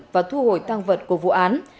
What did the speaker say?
và thu hồi tăng vật của vụ án